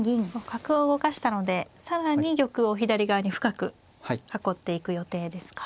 角を動かしたので更に玉を左側に深く囲っていく予定ですか。